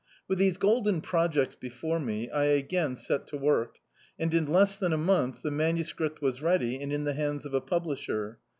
With these golden projects before me, I again set to work, and, in less than a month, the MS. was ready and in the hands of a publisher.